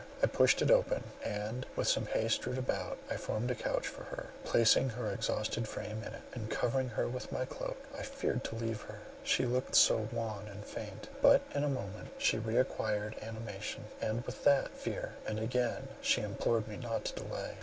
I pushed it open; and, with some hay strewed about, I formed a couch for her, placing her exhausted frame on it, and covering her with my cloak. I feared to leave her, she looked so wan and faint—but in a moment she re acquired animation, and, with that, fear; and again she implored me not to delay.